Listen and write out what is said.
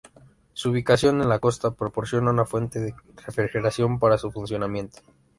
Su ubicación en la costa proporciona una fuente de refrigeración para su funcionamiento.